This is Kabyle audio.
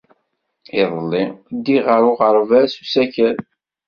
Iḍelli, ddiɣ ɣer uɣerbaz s usakal.